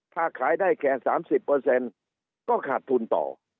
ถ้าขายได้แค่๓๐ก็ขาดทุนต่อ